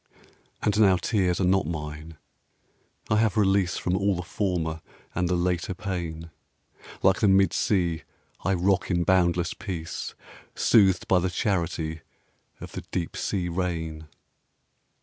And now tears are not mine. I have release From all the former and the later pain; Like the mid sea I rock in boundless peace, Soothed by the charity of the deep sea rain....